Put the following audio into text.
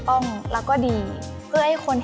บางทีการเราเอาอารมณ์ของเราไปใส่ในเนื้อเรื่องมากเกินไป